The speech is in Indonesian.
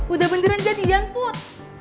udah beneran jadian put